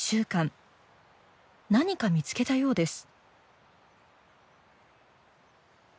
何か見つけたようです。